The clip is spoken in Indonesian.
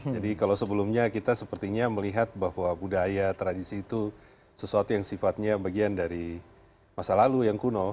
jadi kalau sebelumnya kita sepertinya melihat bahwa budaya tradisi itu sesuatu yang sifatnya bagian dari masa lalu yang kuno